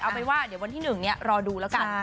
เอาไปว่าเดี๋ยววันที่๑เนี่ยรอดูแล้วกัน